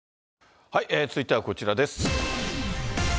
続いてはこちらです。